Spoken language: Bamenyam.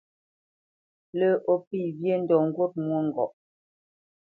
Lə́ o pé wyê ndɔ ŋgût mwôŋgɔʼ.